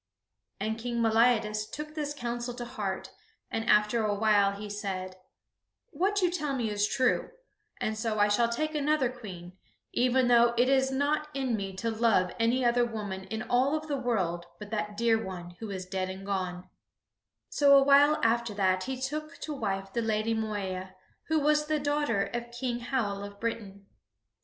[Sidenote: King Meliadus taketh the Lady Moeya to second wife] And King Meliadus took this counsel to heart, and after a while he said: "What you tell me is true, and so I shall take another Queen, even though it is not in me to love any other woman in all of the world but that dear one who is dead and gone." So a while after that he took to wife the Lady Moeya, who was the daughter of King Howell of Britain.